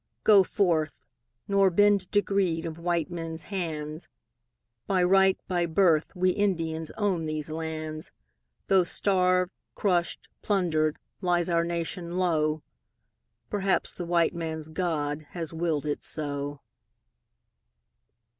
Go forth, nor bend to greed of white men's hands, By right, by birth we Indians own these lands, Though starved, crushed, plundered, lies our nation low... Perhaps the white man's God has willed it so.